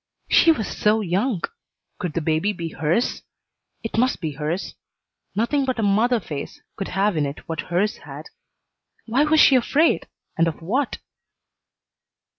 She was so young. Could the baby be hers? It must be hers. Nothing but a mother face could have in it what hers had. Why was she afraid, and of what?